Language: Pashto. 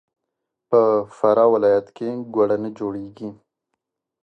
په فراه ولایت کې ګوړه نه جوړیږي.